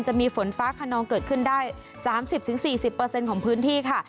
จะมีฝนฟ้าขนองเกิดขึ้นได้๓๐๔๐เปอร์เซ็นต์ของพื้นที่ค่ะ